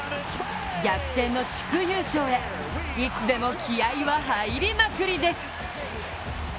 逆転の地区優勝へいつでも気合いは入りまくりです。